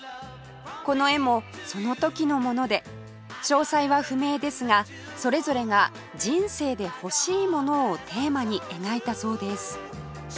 この絵もその時のもので詳細は不明ですがそれぞれが人生で欲しいものをテーマに描いたそうです